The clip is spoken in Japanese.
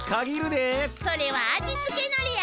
それは味つけのりや。